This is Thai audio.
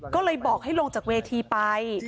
ก็เลยบอกให้ลงจากเวทีไป